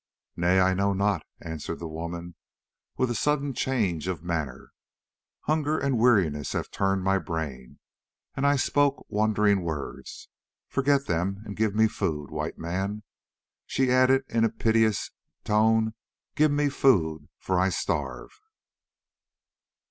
"Nay, I know not," answered the woman, with a sudden change of manner. "Hunger and weariness have turned my brain, and I spoke wandering words. Forget them and give me food, White Man," she added in a piteous tone, "give me food, for I starve."